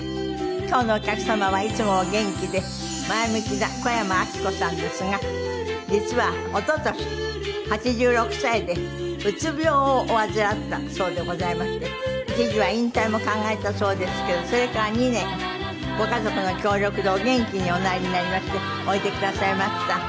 今日のお客様はいつもお元気で前向きな小山明子さんですが実は一昨年８６歳でうつ病をお患らったそうでございまして一時は引退も考えたそうですけどそれから２年ご家族の協力でお元気におなりになりましておいでくださいました。